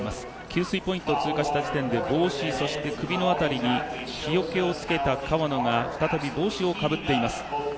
給水ポイントを通過した時点で帽子、そして首の辺りに日よけを着けた川野が再び帽子をかぶっています。